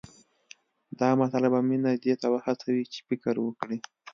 دا مسله به مينه دې ته وهڅوي چې فکر وکړي